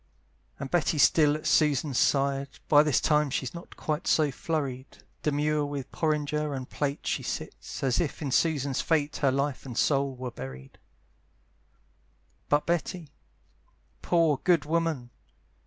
And Betty's still at Susan's side: By this time she's not quite so flurried; Demure with porringer and plate She sits, as if in Susan's fate Her life and soul were buried. But Betty, poor good woman!